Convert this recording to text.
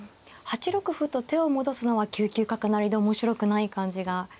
８六歩と手を戻すのは９九角成で面白くない感じがしますよね。